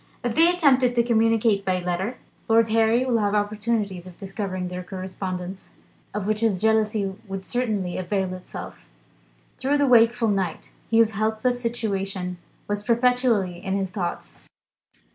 If they attempted to communicate by letter, Lord Harry would have opportunities of discovering their correspondence, of which his jealousy would certainly avail itself. Through the wakeful night, Hugh's helpless situation was perpetually in his thoughts.